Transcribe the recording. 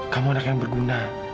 kamu anak yang berguna